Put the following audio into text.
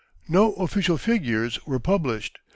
No official figures were published.